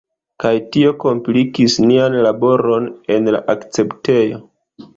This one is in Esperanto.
Kaj tio komplikis nian laboron en la akceptejo.